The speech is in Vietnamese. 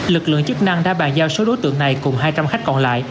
lực lượng chức năng đã bàn giao số đối tượng này cùng hai trăm linh khách còn lại